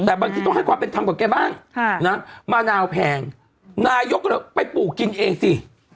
แต่บางทีต้องให้ความเป็นธรรมกับแกบ้างมะนาวแพงนายกก็เลยไปปลูกกินเองสิ